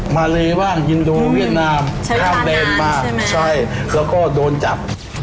มาเลบ้างฮินดูเวียดนามข้ามแดนบ้างใช่แล้วก็โดนจับ